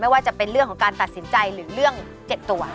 ว่าจะเป็นเรื่องของการตัดสินใจหรือเรื่อง๗ตัว